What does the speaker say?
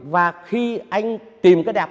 và khi anh tìm cái đẹp